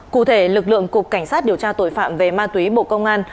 cụ thể lực lượng cục cảnh sát điều tra tội phạm về ma túy bộ công an